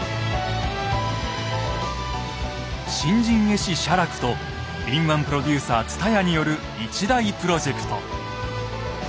新人絵師・写楽と敏腕プロデューサー蔦屋による一大プロジェクト。